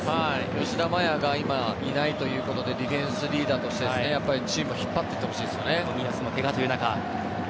吉田麻也が今いないということでディフェンスリーダーとしてチームを引っ張っていってほしいですよね。